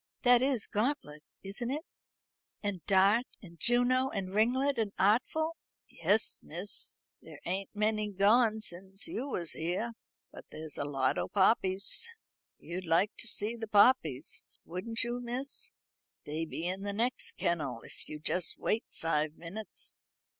That is Gauntlet, isn't it? And Dart, and Juno, and Ringlet, and Artful?" "Yes, miss. There ain't many gone since you was here. But there's a lot o' poppies. You'd like to see the poppies, wouldn't you, miss? They be in the next kennel, if you'll just wait five minutes."